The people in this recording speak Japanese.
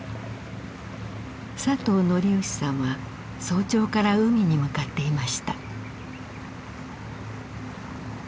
佐藤徳義さんは早朝から海に向かっていました。